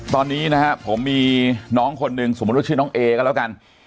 ตอนนี้นะฮะผมมีน้องคน๑สมมติชื่อน้องเอ่ยก็แล้วกัน